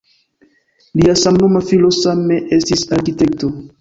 Lia samnoma filo same estis arkitekto.